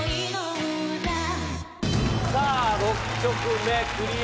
さぁ６曲目クリア